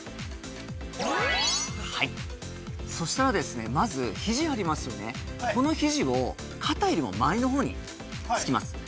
そしたら、まずひじがありますよね、ひじを肩よりも前のほうにつきます。